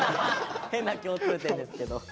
変な共通点ですけど。